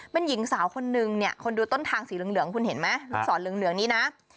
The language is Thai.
เป็นหญิงสาวคนนึงเนี่ยคนดูต้นทางสีเหลืองคุณเห็นไหมลูกศรเหลืองนี้นะ